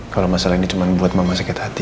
kalau masalah ini cuma buat mama sakit hati